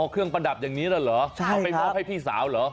เครื่องประดับอย่างนี้แล้วเหรอเอาไปมอบให้พี่สาวเหรอ